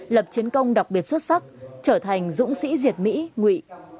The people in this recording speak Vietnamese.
lập chiến công đặc biệt xuất sắc trở thành dũng sĩ diệt mỹ ngụy